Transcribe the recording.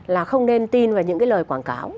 là không nên tin vào những cái lời quảng cáo